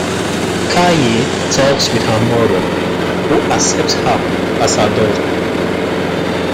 Kaye talks with her mother, who accepts her as her daughter.